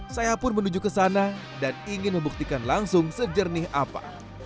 saya pun menuju ke sana dan ingin membuktikan langsung sejernih apa